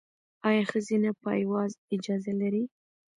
ایا ښځینه پایواز اجازه لري؟